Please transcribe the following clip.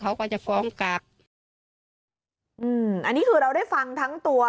อันนี้คือเราได้ฟังทั้งตัว